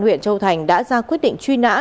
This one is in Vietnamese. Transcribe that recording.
huyện châu thành đã ra quyết định truy nã